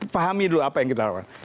fahami dulu apa yang kita lawan